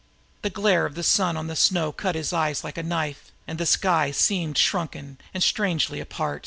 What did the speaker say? The glare of the sun on the snow cut his eyes like a knife and the sky seemed shrunken and strangely far.